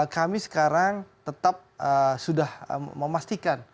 kami sekarang tetap sudah memastikan